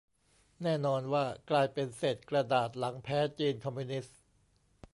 แน่นอนว่ากลายเป็นเศษกระดาษหลังแพ้จีนคอมมิวนิสต์